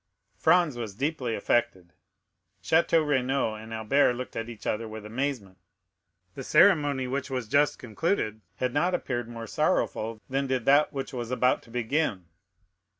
Franz was deeply affected. Château Renaud and Albert looked at each other with amazement; the ceremony which was just concluded had not appeared more sorrowful than did that which was about to begin.